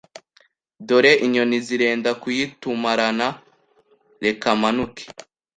dore inyoni zirenda kuyitumarana. Reka manuke